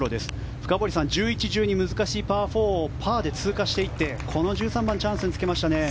深堀さん、１１、１２難しいパー４をパーで通過していってこの１３番通過していきましたね。